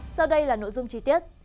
sau đây là nội dung chi tiết